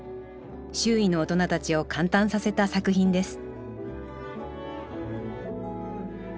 周囲の大人たちを感嘆させた作品です